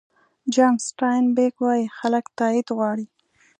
جان سټاین بېک وایي خلک تایید غواړي.